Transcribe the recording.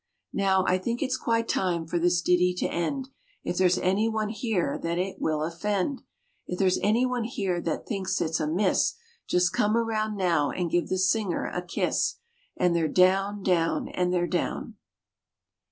Now, I think it's quite time for this ditty to end; If there's anyone here that it will offend, If there's anyone here that thinks it amiss Just come around now and give the singer a kiss, And they're down, down, and they're down.